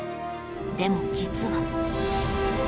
でも実は